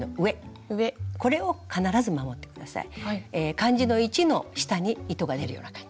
漢字の「一」の下に糸が出るような感じ。